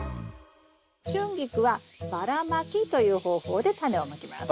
シュンギクはばらまきという方法でタネをまきます。